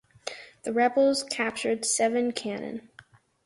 The rebels captured seven cannon.